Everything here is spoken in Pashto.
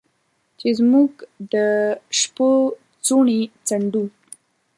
چې موږ د شپو څوڼې څنډو